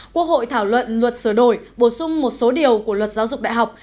quốc hội thảo luận luật sửa đổi bổ sung một số điều của luật giáo dục đại học